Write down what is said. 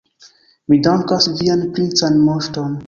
Mi dankas vian princan moŝton.